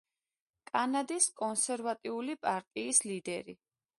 კანადის კონსერვატიული პარტიის ლიდერი.